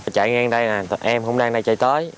chạy ngang đây nè tội em cũng đang chạy tới